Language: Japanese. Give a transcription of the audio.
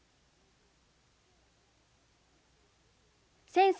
先生